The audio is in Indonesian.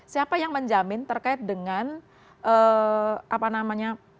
siapa yang menjamin terkait dengan apa namanya